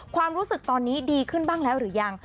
ความรู้สึกตอนนี้ดีขึ้นบ้างแล้วหรือยัง